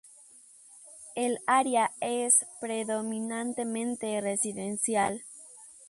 El área es predominantemente residencial.